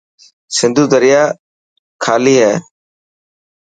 سنڌو دريا خلي هي.